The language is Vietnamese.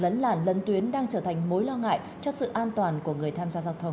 do này tình trạng lấn làn lấn tuyến đang trở thành mối lo ngại cho sự an toàn của người tham gia giao thông